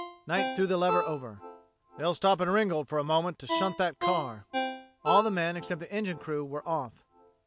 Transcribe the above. Knight threw the lever over. "They'll stop in Ringgold for a minute to shunt that car." All the men, except the engine crew, were off.